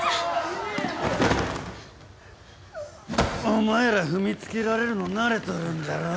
お前ら踏みつけられるの慣れとるんじゃろ？